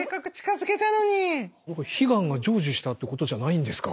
悲願が成就したってことじゃないんですか？